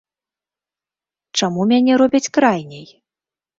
Чаму мяне робяць крайняй?